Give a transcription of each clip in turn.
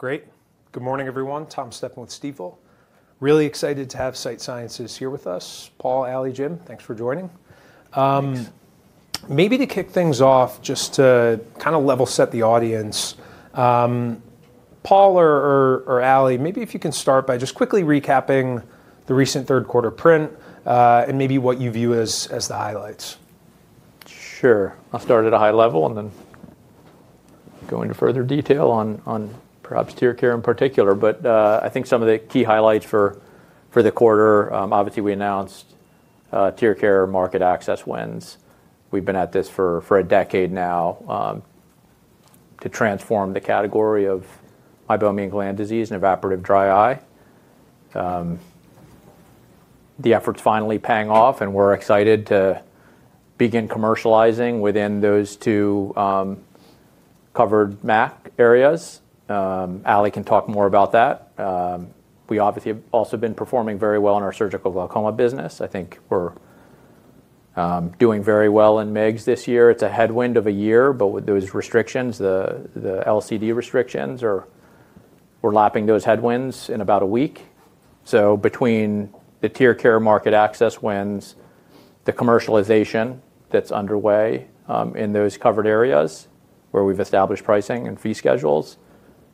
Great. Good morning, everyone. Tom Stephan with Stifel. Really excited to have Sight Sciences here with us. Paul, Ali, Jim, thanks for joining. Maybe to kick things off, just to kind of level set the audience, Paul or Ali, maybe if you can start by just quickly recapping the recent third quarter print and maybe what you view as the highlights. Sure. I'll start at a high level and then go into further detail on perhaps TearCare in particular. I think some of the key highlights for the quarter, obviously we announced TearCare market access wins. We've been at this for a decade now to transform the category of meibomian gland disease and evaporative dry eye. The efforts finally paying off, and we're excited to begin commercializing within those two covered MAC areas. Ali can talk more about that. We obviously have also been performing very well in our surgical glaucoma business. I think we're doing very well in MIGS this year. It's a headwind of a year, but with those restrictions, the LCD restrictions, we're lapping those headwinds in about a week. Between the TearCare market access wins, the commercialization that's underway in those covered areas where we've established pricing and fee schedules,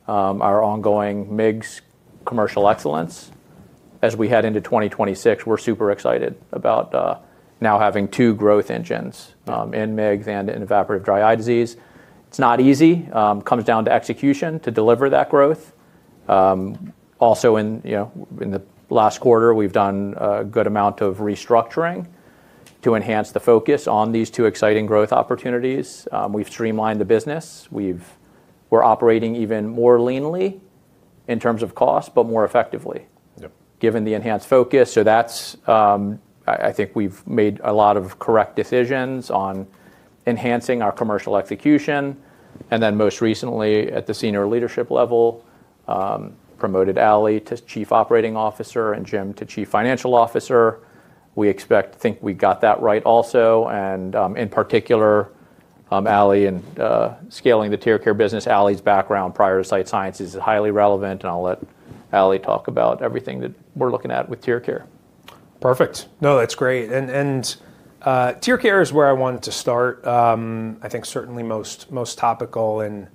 our ongoing MIGS commercial excellence, as we head into 2026, we're super excited about now having two growth engines in MIGS and in evaporative dry eye disease. It's not easy. It comes down to execution to deliver that growth. Also, in the last quarter, we've done a good amount of restructuring to enhance the focus on these two exciting growth opportunities. We've streamlined the business. We're operating even more leanly in terms of cost, but more effectively given the enhanced focus. I think we've made a lot of correct decisions on enhancing our commercial execution. Most recently, at the senior leadership level, we promoted Ali to Chief Operating Officer and Jim to Chief Financial Officer. We think we got that right also. In particular, Ali, in scaling the TearCare business, Ali's background prior to Sight Sciences is highly relevant. I'll let Ali talk about everything that we're looking at with TearCare. Perfect. No, that's great. And TearCare is where I wanted to start. I think certainly most topical and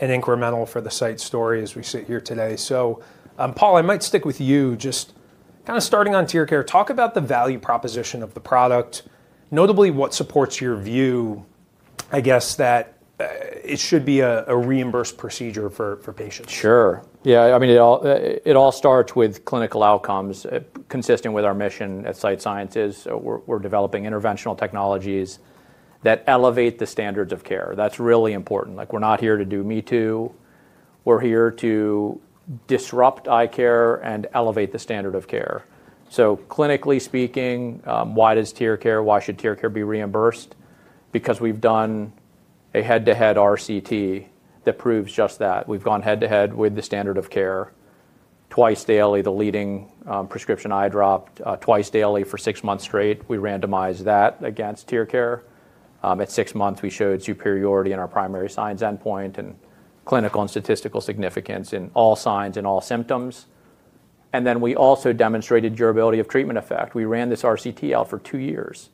incremental for the Sight story as we sit here today. So Paul, I might stick with you. Just kind of starting on TearCare, talk about the value proposition of the product, notably what supports your view, I guess, that it should be a reimbursed procedure for patients. Sure. Yeah. I mean, it all starts with clinical outcomes consistent with our mission at Sight Sciences. We're developing interventional technologies that elevate the standards of care. That's really important. We're not here to do me-too. We're here to disrupt eye care and elevate the standard of care. Clinically speaking, why does TearCare? Why should TearCare be reimbursed? Because we've done a head-to-head RCT that proves just that. We've gone head-to-head with the standard of care. Twice daily, the leading prescription eye drop, twice daily for six months straight. We randomized that against TearCare. At six months, we showed superiority in our primary signs endpoint and clinical and statistical significance in all signs and all symptoms. We also demonstrated durability of treatment effect. We ran this RCT out for two years.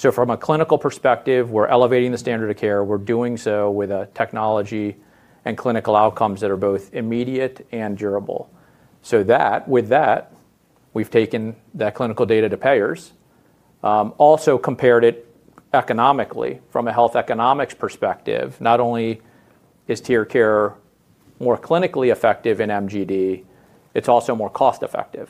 From a clinical perspective, we're elevating the standard of care. We're doing so with a technology and clinical outcomes that are both immediate and durable. With that, we've taken that clinical data to payers, also compared it economically from a health economics perspective. Not only is TearCare more clinically effective in MGD, it's also more cost-effective.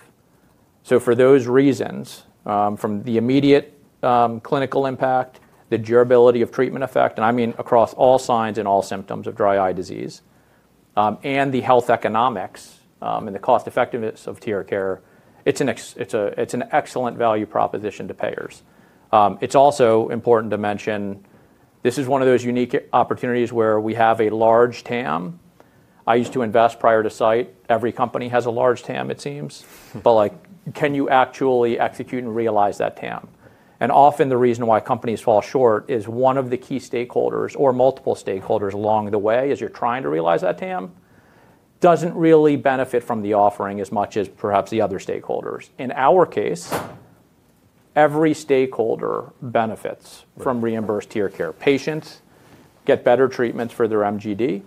For those reasons, from the immediate clinical impact, the durability of treatment effect, and I mean across all signs and all symptoms of dry eye disease, and the health economics and the cost-effectiveness of TearCare, it's an excellent value proposition to payers. It's also important to mention, this is one of those unique opportunities where we have a large TAM. I used to invest prior to Sight. Every company has a large TAM, it seems. Can you actually execute and realize that TAM? Often the reason why companies fall short is one of the key stakeholders or multiple stakeholders along the way as you're trying to realize that TAM doesn't really benefit from the offering as much as perhaps the other stakeholders. In our case, every stakeholder benefits from reimbursed TearCare. Patients get better treatments for their MGD.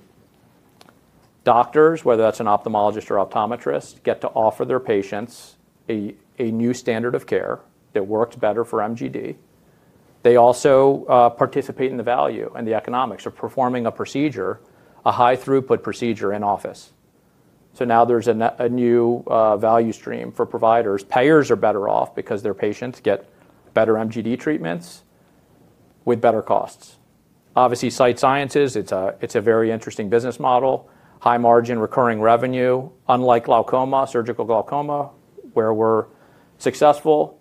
Doctors, whether that's an ophthalmologist or optometrist, get to offer their patients a new standard of care that works better for MGD. They also participate in the value and the economics of performing a procedure, a high-throughput procedure in office. Now there's a new value stream for providers. Payers are better off because their patients get better MGD treatments with better costs. Obviously, Sight Sciences, it's a very interesting business model, high-margin recurring revenue. Unlike glaucoma, surgical glaucoma, where we're successful,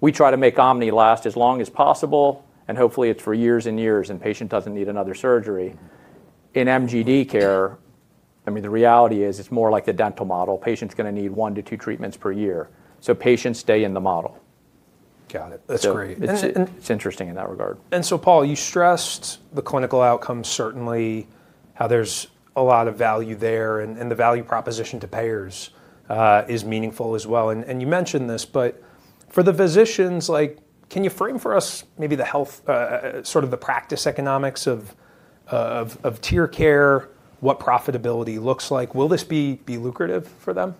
we try to make OMNI last as long as possible. Hopefully it's for years and years and the patient doesn't need another surgery. In MGD care, I mean, the reality is it's more like a dental model. Patients are going to need one to two treatments per year. So patients stay in the model. Got it. That's great. It's interesting in that regard. Paul, you stressed the clinical outcome, certainly how there's a lot of value there and the value proposition to payers is meaningful as well. You mentioned this, but for the physicians, can you frame for us maybe sort of the practice economics of TearCare, what profitability looks like? Will this be lucrative for them?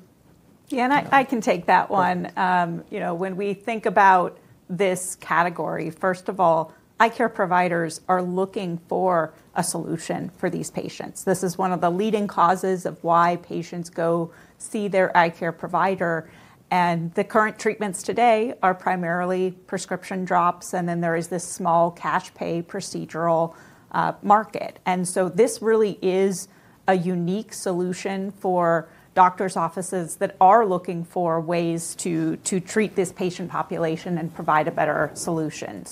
Yeah, and I can take that one. When we think about this category, first of all, eye care providers are looking for a solution for these patients. This is one of the leading causes of why patients go see their eye care provider. The current treatments today are primarily prescription drops, and then there is this small cash pay procedural market. This really is a unique solution for doctors' offices that are looking for ways to treat this patient population and provide a better solution.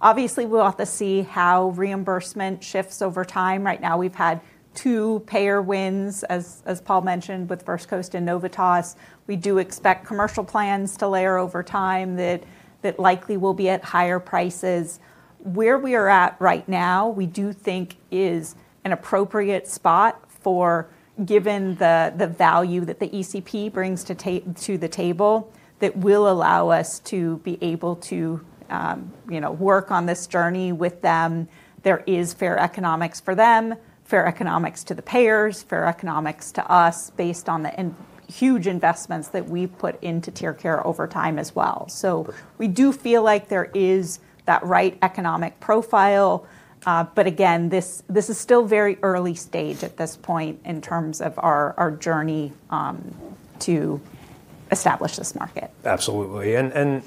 Obviously, we'll have to see how reimbursement shifts over time. Right now we've had two payer wins, as Paul mentioned, with First Coast and Novitas. We do expect commercial plans to layer over time that likely will be at higher prices. Where we are at right now, we do think is an appropriate spot for, given the value that the ECP brings to the table, that will allow us to be able to work on this journey with them. There is fair economics for them, fair economics to the payers, fair economics to us based on the huge investments that we've put into TearCare over time as well. We do feel like there is that right economic profile. Again, this is still very early stage at this point in terms of our journey to establish this market. Absolutely.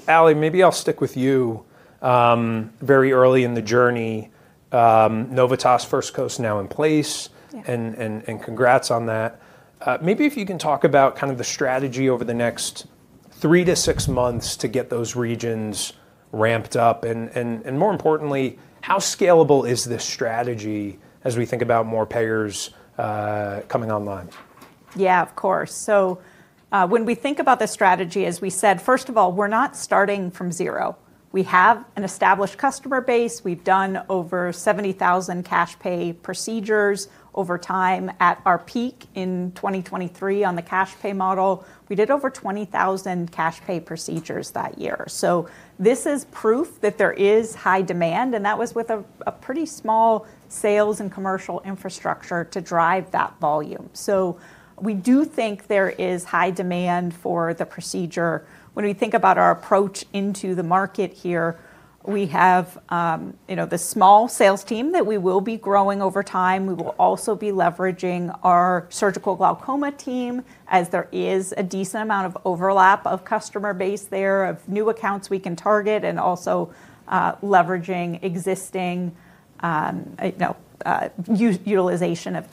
Ali, maybe I'll stick with you. Very early in the journey, Novitas, First Coast now in place. Congrats on that. Maybe if you can talk about kind of the strategy over the next three to six months to get those regions ramped up. More importantly, how scalable is this strategy as we think about more payers coming online? Yeah, of course. When we think about the strategy, as we said, first of all, we're not starting from zero. We have an established customer base. We've done over $70,000 cash pay procedures over time. At our peak in 2023 on the cash pay model, we did over $20,000 cash pay procedures that year. This is proof that there is high demand. That was with a pretty small sales and commercial infrastructure to drive that volume. We do think there is high demand for the procedure. When we think about our approach into the market here, we have the small sales team that we will be growing over time. We will also be leveraging our surgical glaucoma team as there is a decent amount of overlap of customer base there, of new accounts we can target, and also leveraging existing utilization of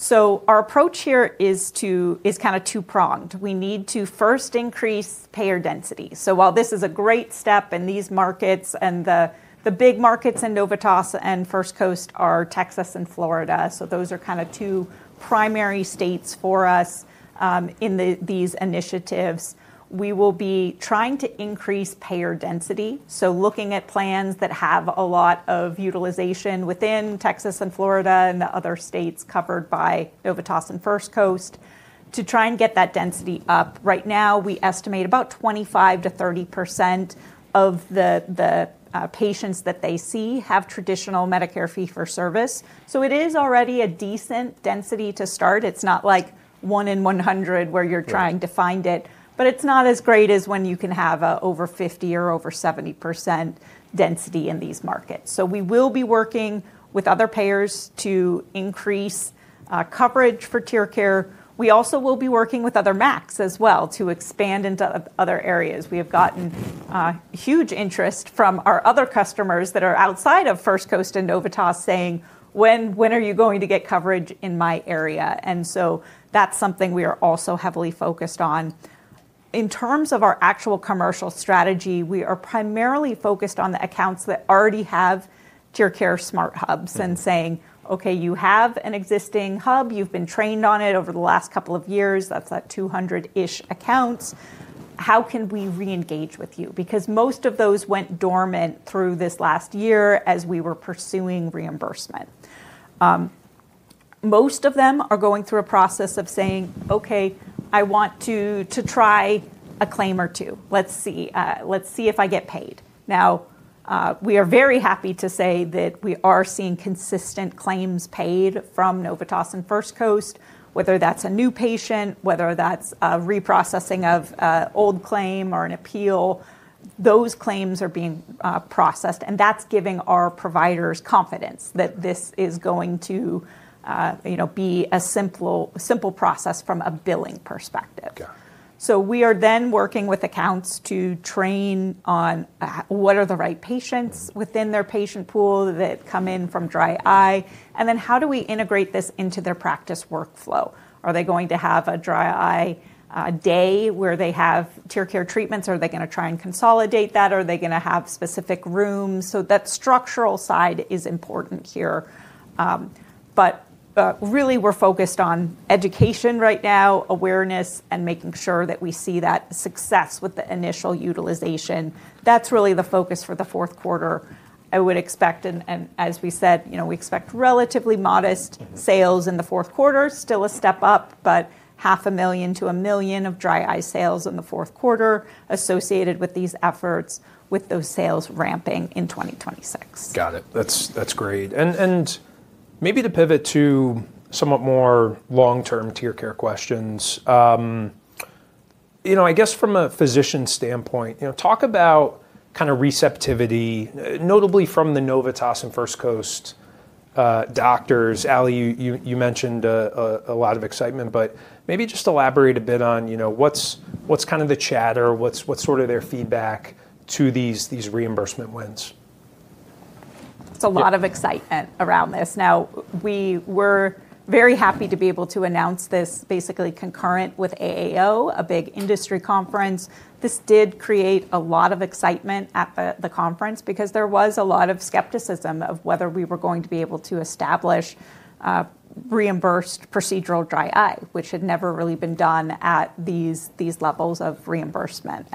TearCare. Our approach here is kind of two-pronged. We need to first increase payer density. While this is a great step in these markets and the big markets in Novitas and First Coast are Texas and Florida, those are kind of two primary states for us in these initiatives. We will be trying to increase payer density, looking at plans that have a lot of utilization within Texas and Florida and the other states covered by Novitas and First Coast to try and get that density up. Right now, we estimate about 25%-30% of the patients that they see have traditional Medicare fee-for-service. It is already a decent density to start. It is not like one in 100 where you are trying to find it, but it is not as great as when you can have over 50% or over 70% density in these markets. We will be working with other payers to increase coverage for TearCare. We also will be working with other MACs as well to expand into other areas. We have gotten huge interest from our other customers that are outside of First Coast and Novitas saying, "When are you going to get coverage in my area?" That is something we are also heavily focused on. In terms of our actual commercial strategy, we are primarily focused on the accounts that already have TearCare SmartHubs and saying, "Okay, you have an existing hub. You've been trained on it over the last couple of years. That's at 200-ish accounts. How can we re-engage with you?" Most of those went dormant through this last year as we were pursuing reimbursement. Most of them are going through a process of saying, "Okay, I want to try a claim or two. Let's see if I get paid. Now, we are very happy to say that we are seeing consistent claims paid from Novitas and First Coast, whether that's a new patient, whether that's a reprocessing of an old claim or an appeal. Those claims are being processed. That is giving our providers confidence that this is going to be a simple process from a billing perspective. We are then working with accounts to train on what are the right patients within their patient pool that come in from dry eye. How do we integrate this into their practice workflow? Are they going to have a dry eye day where they have TearCare treatments? Are they going to try and consolidate that? Are they going to have specific rooms? That structural side is important here. Really, we're focused on education right now, awareness, and making sure that we see that success with the initial utilization. That's really the focus for the fourth quarter, I would expect. As we said, we expect relatively modest sales in the fourth quarter, still a step up, but $500,000-$1,000,000 of dry eye sales in the fourth quarter associated with these efforts, with those sales ramping in 2026. Got it. That's great. Maybe to pivot to somewhat more long-term TearCare questions, I guess from a physician standpoint, talk about kind of receptivity, notably from the Novitas and First Coast doctors. Ali, you mentioned a lot of excitement, but maybe just elaborate a bit on what's kind of the chatter, what's sort of their feedback to these reimbursement wins? It's a lot of excitement around this. Now, we were very happy to be able to announce this basically concurrent with AAO, a big industry conference. This did create a lot of excitement at the conference because there was a lot of skepticism of whether we were going to be able to establish reimbursed procedural dry eye, which had never really been done at these levels of reimbursement.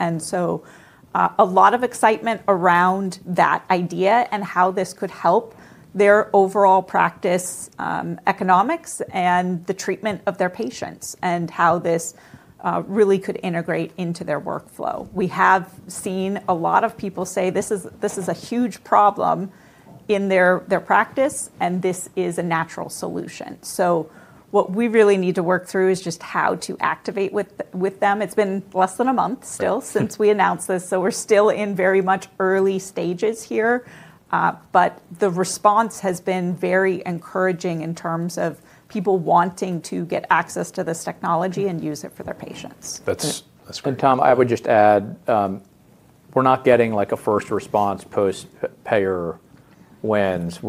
A lot of excitement around that idea and how this could help their overall practice economics and the treatment of their patients and how this really could integrate into their workflow. We have seen a lot of people say this is a huge problem in their practice and this is a natural solution. What we really need to work through is just how to activate with them. It's been less than a month still since we announced this, so we're still in very much early stages here. The response has been very encouraging in terms of people wanting to get access to this technology and use it for their patients. That's great. Tom, I would just add, we're not getting like a first response post-payer wins.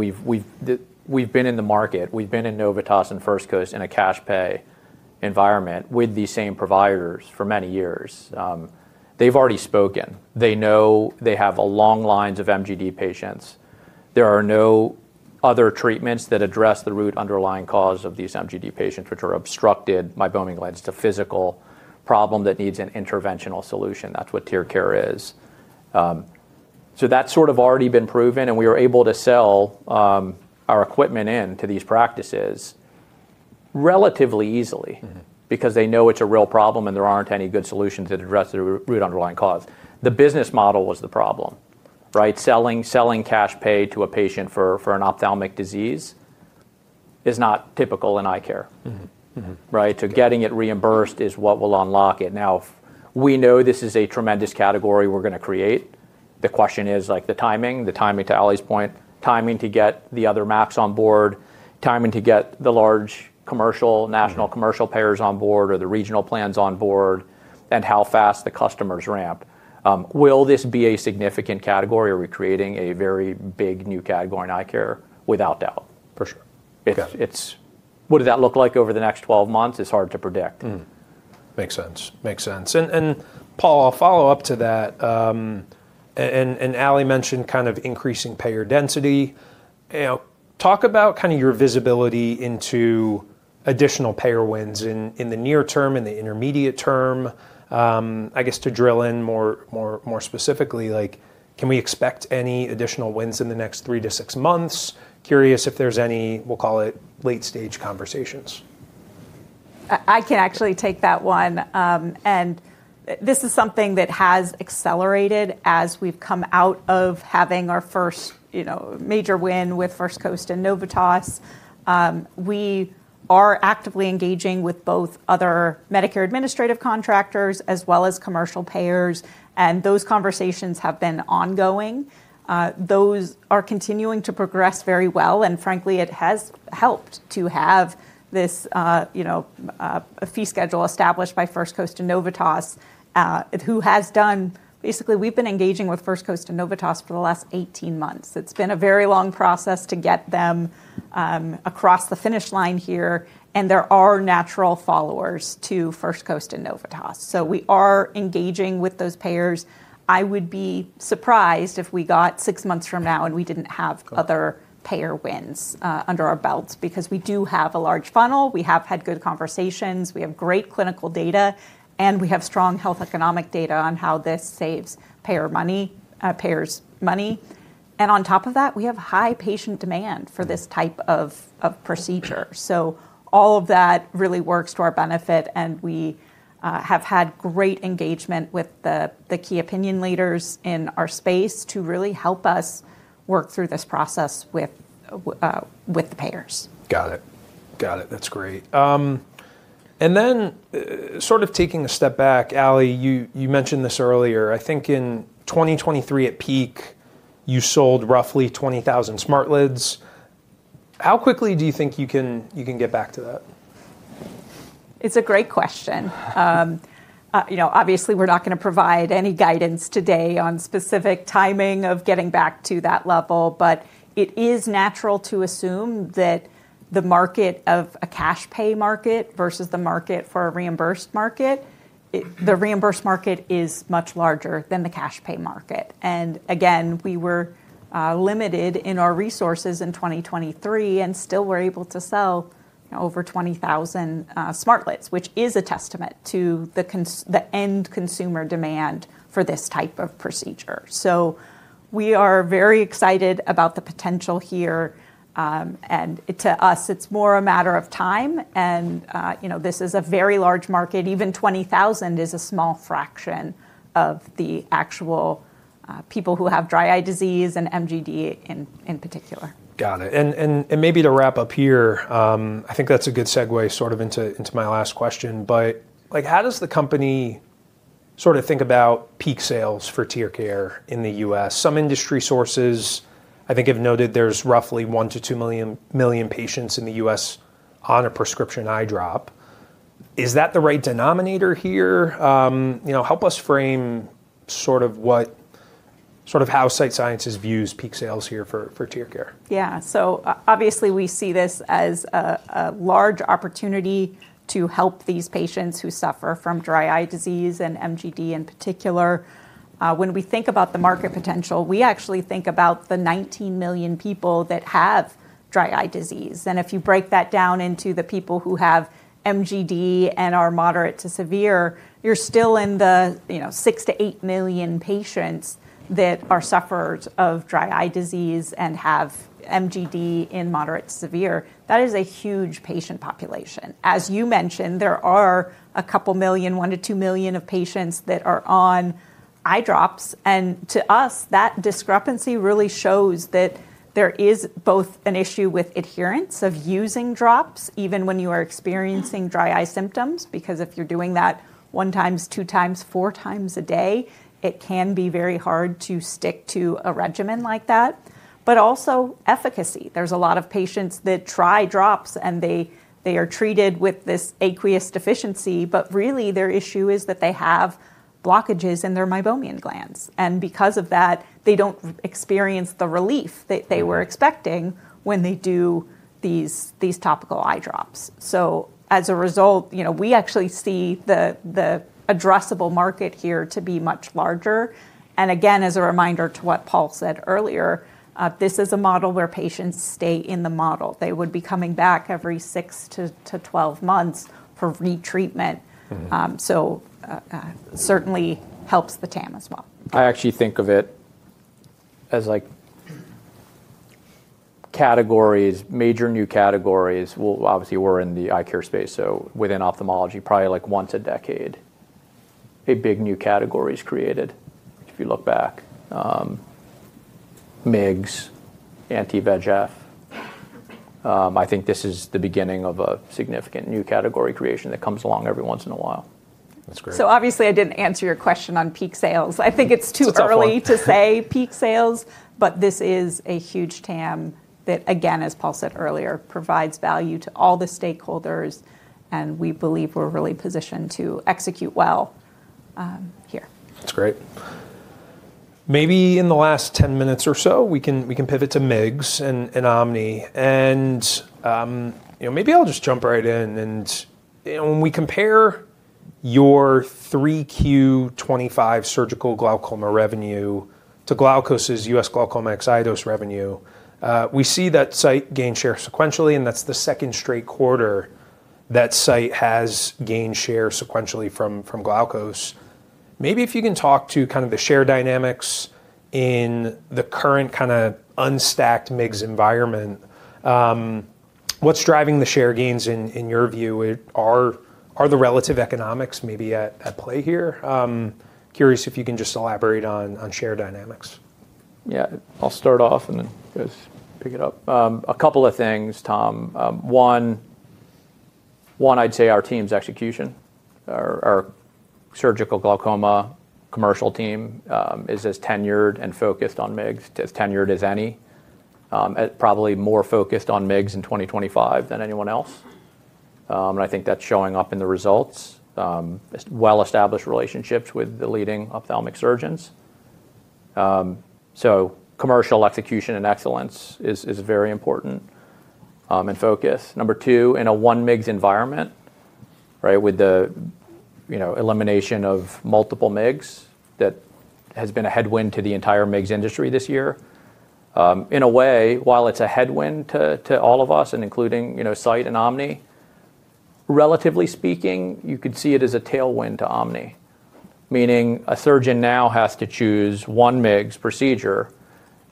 We've been in the market. We've been in Novitas and First Coast in a cash pay environment with these same providers for many years. They've already spoken. They know they have long lines of MGD patients. There are no other treatments that address the root underlying cause of these MGD patients, which are obstructed meibomian glands, a physical problem that needs an interventional solution. That's what TearCare is. That's sort of already been proven. We were able to sell our equipment into these practices relatively easily because they know it's a real problem and there aren't any good solutions that address the root underlying cause. The business model was the problem, right? Selling cash pay to a patient for an ophthalmic disease is not typical in eye care. Getting it reimbursed is what will unlock it. Now, we know this is a tremendous category we're going to create. The question is the timing, the timing to Ali's point, timing to get the other MACs on board, timing to get the large commercial, national commercial payers on board or the regional plans on board and how fast the customers ramp. Will this be a significant category? Are we creating a very big new category in eye care? Without doubt. For sure. What does that look like over the next 12 months? It's hard to predict. Makes sense. Makes sense. Paul, I'll follow up to that. Ali mentioned kind of increasing payer density. Talk about kind of your visibility into additional payer wins in the near term, in the intermediate term. I guess to drill in more specifically, can we expect any additional wins in the next three to six months? Curious if there's any, we'll call it late-stage conversations. I can actually take that one. This is something that has accelerated as we've come out of having our first major win with First Coast and Novitas. We are actively engaging with both other Medicare Administrative Contractors as well as commercial payers. Those conversations have been ongoing. Those are continuing to progress very well. Frankly, it has helped to have a fee schedule established by First Coast and Novitas, who has done basically, we've been engaging with First Coast and Novitas for the last 18 months. It's been a very long process to get them across the finish line here. There are natural followers to First Coast and Novitas. We are engaging with those payers. I would be surprised if we got six months from now and we didn't have other payer wins under our belts because we do have a large funnel. We have had good conversations. We have great clinical data, and we have strong health economic data on how this saves payers' money. On top of that, we have high patient demand for this type of procedure. All of that really works to our benefit. We have had great engagement with the key opinion leaders in our space to really help us work through this process with the payers. Got it. Got it. That's great. Sort of taking a step back, Ali, you mentioned this earlier. I think in 2023 at peak, you sold roughly 20,000 SmartLids. How quickly do you think you can get back to that? It's a great question. Obviously, we're not going to provide any guidance today on specific timing of getting back to that level, but it is natural to assume that the market of a cash pay market versus the market for a reimbursed market, the reimbursed market is much larger than the cash pay market. Again, we were limited in our resources in 2023 and still were able to sell over 20,000 SmartLids, which is a testament to the end consumer demand for this type of procedure. We are very excited about the potential here. To us, it's more a matter of time. This is a very large market. Even 20,000 is a small fraction of the actual people who have dry eye disease and MGD in particular. Got it. Maybe to wrap up here, I think that's a good segue sort of into my last question, but how does the company sort of think about peak sales for TearCare in the U.S.? Some industry sources, I think, have noted there's roughly 1-2 million patients in the U.S. on a prescription eye drop. Is that the right denominator here? Help us frame sort of how Sight Sciences views peak sales here for TearCare. Yeah. Obviously, we see this as a large opportunity to help these patients who suffer from dry eye disease and MGD in particular. When we think about the market potential, we actually think about the 19 million people that have dry eye disease. If you break that down into the people who have MGD and are moderate to severe, you're still in the six to eight million patients that are sufferers of dry eye disease and have MGD in moderate to severe. That is a huge patient population. As you mentioned, there are a couple of million, 1-2 million of patients that are on eye drops. To us, that discrepancy really shows that there is both an issue with adherence of using drops even when you are experiencing dry eye symptoms, because if you're doing that one time, two times, four times a day, it can be very hard to stick to a regimen like that. Also, efficacy. There are a lot of patients that try drops and they are treated with this aqueous deficiency, but really their issue is that they have blockages in their meibomian glands. Because of that, they do not experience the relief that they were expecting when they do these topical eye drops. As a result, we actually see the addressable market here to be much larger. Again, as a reminder to what Paul said earlier, this is a model where patients stay in the model. They would be coming back every six to twelve months for retreatment. Certainly helps the TAM as well. I actually think of it as categories, major new categories. Obviously, we're in the eye care space, so within ophthalmology, probably like once a decade, a big new category is created if you look back. MIGS, anti-VEGF. I think this is the beginning of a significant new category creation that comes along every once in a while. Obviously, I didn't answer your question on peak sales. I think it's too early to say peak sales, but this is a huge TAM that, again, as Paul said earlier, provides value to all the stakeholders. We believe we're really positioned to execute well here. That's great. Maybe in the last 10 minutes or so, we can pivot to MIGS and OMNI. Maybe I'll just jump right in. When we compare your 3Q 2025 surgical glaucoma revenue to Glaukos's U.S. glaucoma excisional revenue, we see that Sight gained share sequentially. That's the second straight quarter that Sight has gained share sequentially from Glaukos. Maybe if you can talk to kind of the share dynamics in the current kind of unstacked MIGS environment, what's driving the share gains in your view? Are the relative economics maybe at play here? Curious if you can just elaborate on share dynamics. Yeah, I'll start off and then pick it up. A couple of things, Tom. One, I'd say our team's execution, our surgical glaucoma commercial team is as tenured and focused on MIGS, as tenured as any. Probably more focused on MIGS in 2025 than anyone else. I think that's showing up in the results. Well-established relationships with the leading ophthalmic surgeons. Commercial execution and excellence is very important and focus. Number two, in a one MIGS environment, with the elimination of multiple MIGS that has been a headwind to the entire MIGS industry this year. In a way, while it's a headwind to all of us, including Sight and OMNI, relatively speaking, you could see it as a tailwind to OMNI. Meaning a surgeon now has to choose one MIGS procedure,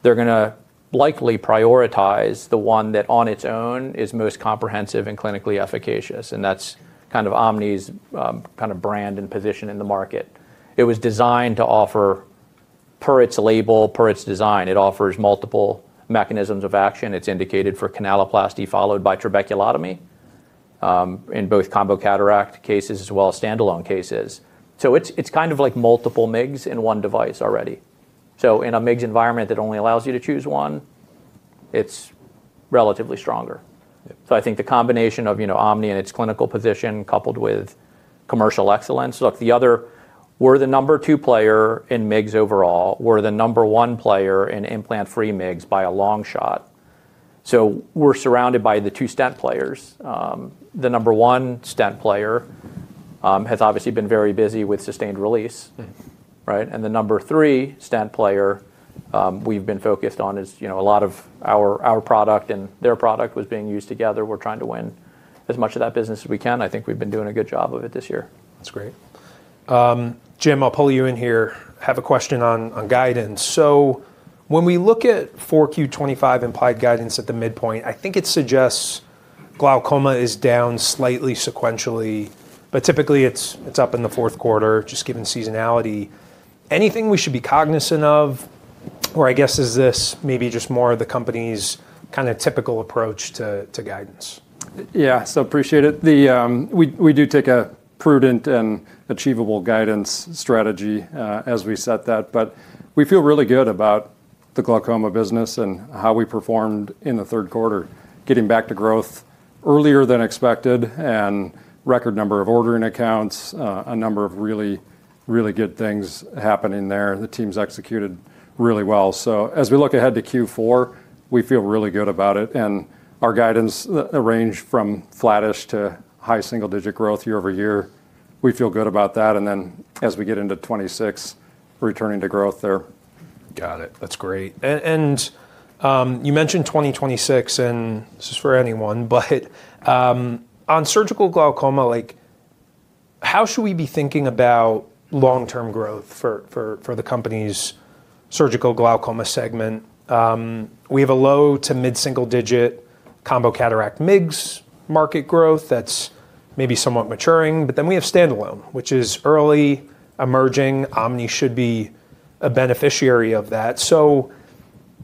they're going to likely prioritize the one that on its own is most comprehensive and clinically efficacious. That is kind of OMNI's kind of brand and position in the market. It was designed to offer per its label, per its design. It offers multiple mechanisms of action. It is indicated for canaloplasty followed by trabeculotomy in both combo cataract cases as well as standalone cases. It is kind of like multiple MIGS in one device already. In a MIGS environment that only allows you to choose one, it is relatively stronger. I think the combination of OMNI and its clinical position coupled with commercial excellence, look, the other, we are the number two player in MIGS overall. We are the number one player in implant-free MIGS by a long shot. We are surrounded by the two stent players. The number one stent player has obviously been very busy with sustained release. The number three stent player we've been focused on is a lot of our product and their product was being used together. We're trying to win as much of that business as we can. I think we've been doing a good job of it this year. That's great. Jim, I'll pull you in here. I have a question on guidance. So when we look at 4Q 2025 implied guidance at the midpoint, I think it suggests glaucoma is down slightly sequentially, but typically it's up in the fourth quarter just given seasonality. Anything we should be cognizant of, or I guess is this maybe just more of the company's kind of typical approach to guidance? Yeah, so appreciate it. We do take a prudent and achievable guidance strategy as we set that. We feel really good about the glaucoma business and how we performed in the third quarter, getting back to growth earlier than expected and record number of ordering accounts, a number of really, really good things happening there. The team's executed really well. As we look ahead to Q4, we feel really good about it. Our guidance ranged from flattish to high single-digit growth year over year. We feel good about that. As we get into 2026, returning to growth there. Got it. That's great. You mentioned 2026, and this is for anyone, but on surgical glaucoma, how should we be thinking about long-term growth for the company's surgical glaucoma segment? We have a low to mid-single-digit combo cataract MIGS market growth that's maybe somewhat maturing. We have standalone, which is early emerging. OMNI should be a beneficiary of that.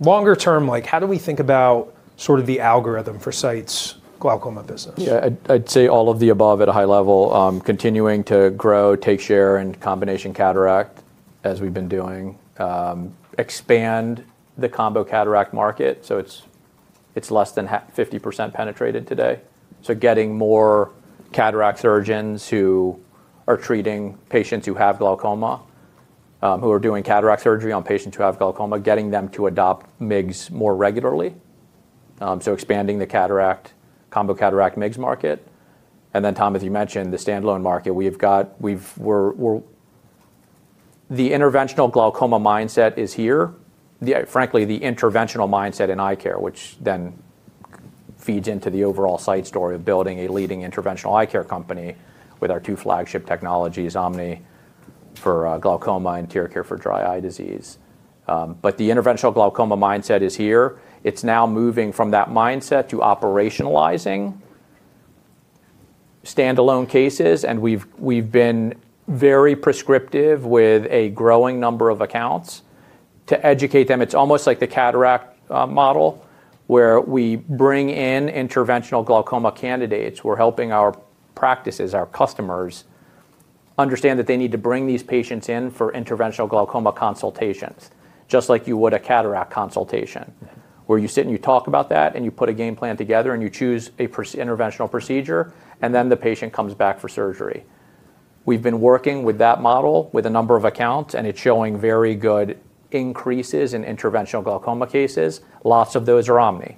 Longer term, how do we think about sort of the algorithm for Sight's glaucoma business? Yeah, I'd say all of the above at a high level, continuing to grow, take share in combination cataract as we've been doing, expand the combo cataract market. It's less than 50% penetrated today. Getting more cataract surgeons who are treating patients who have glaucoma, who are doing cataract surgery on patients who have glaucoma, getting them to adopt MIGS more regularly. Expanding the combo cataract MIGS market. Tom, as you mentioned, the standalone market, we've got the interventional glaucoma mindset is here. Frankly, the interventional mindset in eye care, which then feeds into the overall Sight story of building a leading interventional eye care company with our two flagship technologies, OMNI for glaucoma and TearCare for dry eye disease. The interventional glaucoma mindset is here. It's now moving from that mindset to operationalizing standalone cases. We have been very prescriptive with a growing number of accounts to educate them. It is almost like the cataract model where we bring in interventional glaucoma candidates. We are helping our practices, our customers understand that they need to bring these patients in for interventional glaucoma consultations, just like you would a cataract consultation where you sit and you talk about that and you put a game plan together and you choose an interventional procedure, and then the patient comes back for surgery. We have been working with that model with a number of accounts, and it is showing very good increases in interventional glaucoma cases. Lots of those are OMNI.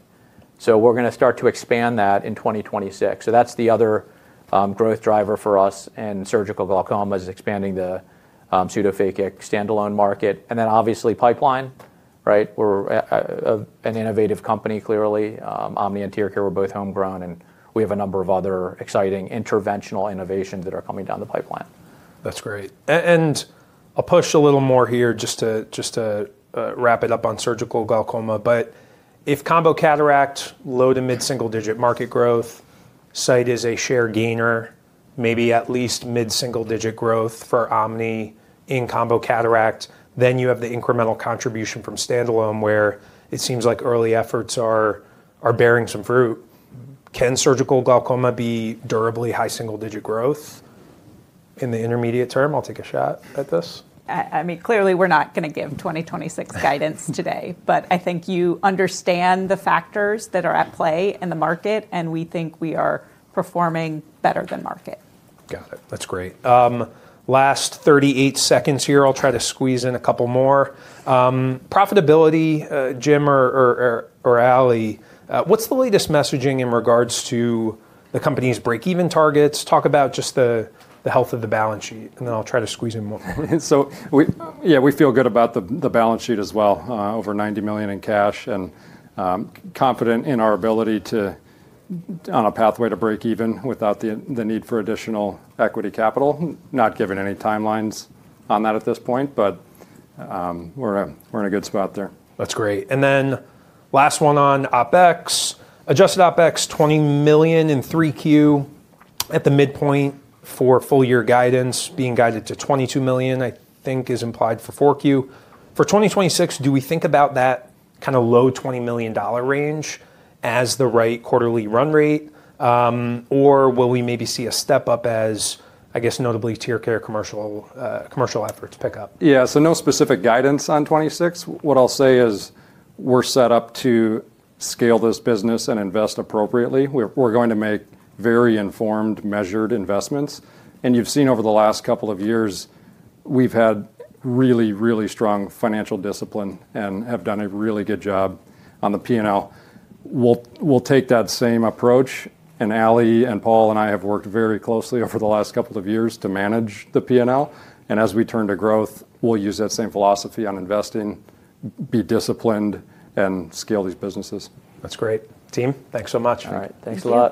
We are going to start to expand that in 2026. That is the other growth driver for us in surgical glaucoma, expanding the pseudophakic standalone market. Obviously pipeline. We are an innovative company, clearly. OMNI and TearCare were both homegrown, and we have a number of other exciting interventional innovations that are coming down the pipeline. That's great. I'll push a little more here just to wrap it up on surgical glaucoma. If combo cataract, low to mid-single-digit market growth, Sight is a share gainer, maybe at least mid-single-digit growth for OMNI in combo cataract, then you have the incremental contribution from standalone where it seems like early efforts are bearing some fruit. Can surgical glaucoma be durably high single-digit growth in the intermediate term? I'll take a shot at this. I mean, clearly we're not going to give 2026 guidance today, but I think you understand the factors that are at play in the market, and we think we are performing better than market. Got it. That's great. Last 38 seconds here. I'll try to squeeze in a couple more. Profitability, Jim or Ali, what's the latest messaging in regards to the company's break-even targets? Talk about just the health of the balance sheet, and then I'll try to squeeze in more. Yeah, we feel good about the balance sheet as well, over $90 million in cash and confident in our ability to be on a pathway to break even without the need for additional equity capital. Not giving any timelines on that at this point, but we're in a good spot there. That's great. Then last one on OpEx, adjusted OpEx $20 million in 3Q at the midpoint for full year guidance being guided to $22 million, I think is implied for 4Q. For 2026, do we think about that kind of low $20 million range as the right quarterly run rate, or will we maybe see a step up as, I guess, notably TearCare commercial efforts pick up? Yeah, so no specific guidance on 2026. What I'll say is we're set up to scale this business and invest appropriately. We're going to make very informed, measured investments. You've seen over the last couple of years, we've had really, really strong financial discipline and have done a really good job on the P&L. We'll take that same approach. Ali and Paul and I have worked very closely over the last couple of years to manage the P&L. As we turn to growth, we'll use that same philosophy on investing, be disciplined, and scale these businesses. That's great. Team, thanks so much. All right. Thanks a lot.